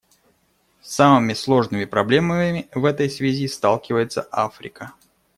С самыми сложными проблемами в этой связи сталкивается Африка.